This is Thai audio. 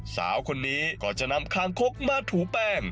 สาวคนนี้ก็จะนำคางคกมาถูแป้ง